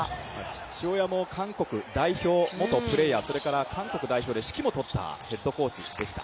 父親も韓国代表、元プレーヤー、それから韓国代表で指揮もとったヘッドコーチでした。